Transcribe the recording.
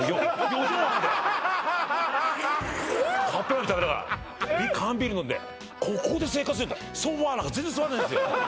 四畳半でカップラーメン食べながら缶ビール飲んでここで生活ソファなんか全然座んないんですよ